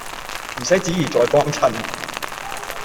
唔使旨意再幫襯